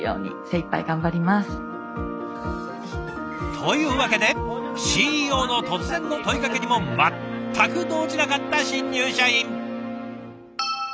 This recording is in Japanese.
というわけでＣＥＯの突然の問いかけにも全く動じなかった新入社員！